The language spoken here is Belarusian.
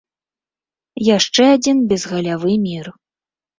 Яшчэ адзін безгалявы мір.